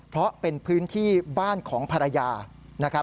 เพราะเป็นพื้นที่บ้านของภรรยานะครับ